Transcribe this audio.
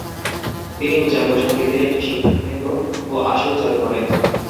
তিনি উচ্চাঙ্গসঙ্গীতের একটি শিক্ষাকেন্দ্র ও আসর চালু করেন।